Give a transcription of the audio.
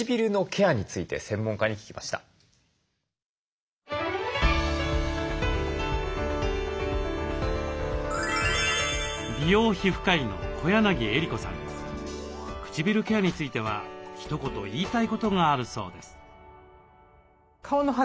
唇ケアについてはひと言言いたいことがあるそうです。